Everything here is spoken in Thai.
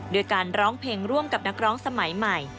ด้วยการร้องเพลงร่วมกับนักร้องสมัยใหม่